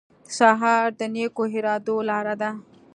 سهار د نیکو ارادو لاره ده.